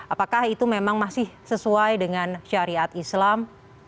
apakah itu memang masih sesuai dengan syariat islam